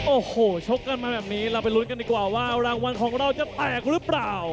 โอ้โหชกกันมาแบบนี้เราไปลุ้นกันดีกว่าว่ารางวัลของเราจะแตกหรือเปล่า